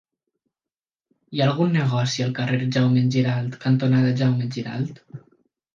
Hi ha algun negoci al carrer Jaume Giralt cantonada Jaume Giralt?